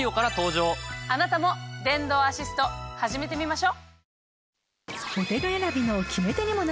あなたも電動アシスト始めてみましょ！